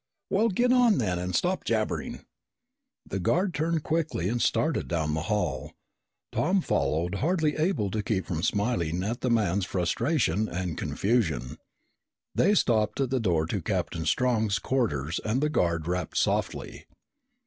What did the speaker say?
"Well, get on then and stop jabbering!" The guard turned quickly and started down the hall. Tom followed, hardly able to keep from smiling at the man's frustration and confusion. They stopped at the door to Captain Strong's quarters and the guard rapped softly.